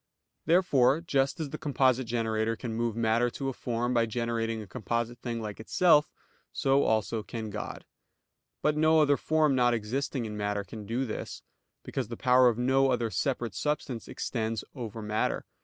Therefore just as the composite generator can move matter to a form by generating a composite thing like itself; so also can God. But no other form not existing in matter can do this; because the power of no other separate substance extends over matter.